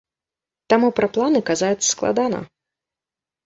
Таму пра планы казаць складана.